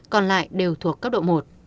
còn lại đều thuộc cấp độ một